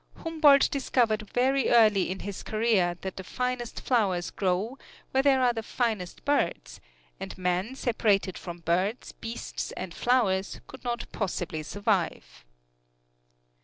Humboldt discovered very early in his career that the finest flowers grow where there are the finest birds, and man separated from birds, beasts and flowers could not possibly survive.